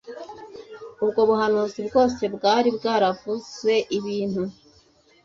Ubwo buhanuzi bwose bwari bwaravuze ibintu